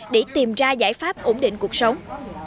để tìm ra giải pháp ổn định cuộc sống